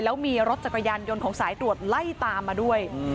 แล้วมีรถจักรยานยนต์ของสายตรวจไล่ตามมาด้วย